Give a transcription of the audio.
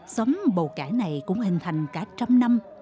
xóm bầu cải này cũng hình thành cả trăm năm